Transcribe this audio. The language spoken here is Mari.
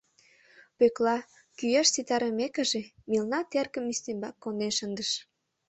Пӧкла, кӱэшт ситарымекыже, мелна теркым ӱстембак конден шындыш.